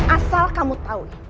asal kamu tau